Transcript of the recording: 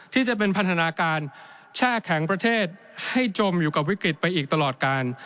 ที่จะเป็นพันธนาการแช่แข็งประเทศให้จมอยู่กับวิกฤตไปอีกตลอดการ